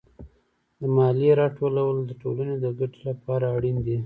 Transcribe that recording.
د مالیې راټولول د ټولنې د ګټې لپاره اړین دي.